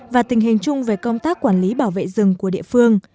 và tình hình chung về công tác quản lý bảo vệ rừng của địa phương